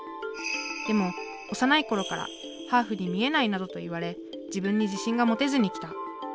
でも幼い頃から「ハーフに見えない」などと言われ自分に自信が持てずにきた。